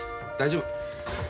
大丈夫。